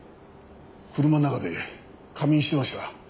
車の中で仮眠してました。